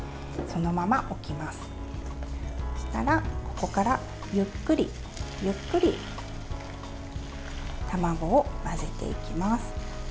そしたら、ここからゆっくりゆっくり卵を混ぜていきます。